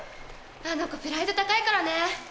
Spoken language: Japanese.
あの子プライド高いからね。